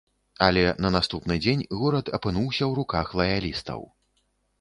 Але на наступны дзень горад апынуўся ў руках лаялістаў.